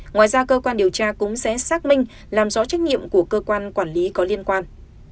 ngoài ra cơ quan điều tra cũng sẽ xác minh làm rõ trách nhiệm của cơ quan quản lý có liên quan